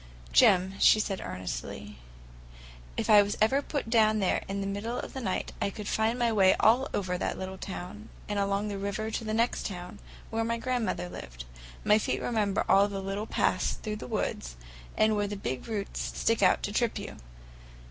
"Jim," she said earnestly, "if I was put down there in the middle of the night, I could find my way all over that little town; and along the river to the next town, where my grandmother lived. My feet remember all the little paths through the woods, and where the big roots stick out to trip you.